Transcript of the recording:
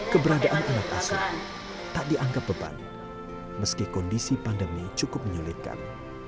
keberadaan anak asuh tak dianggap beban meski kondisi pandemi cukup menyulitkan